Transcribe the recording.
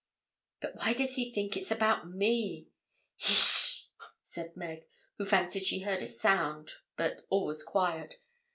'But why does he think it's about me?' 'Hish!' said Meg, who fancied she heard a sound, but all was quiet.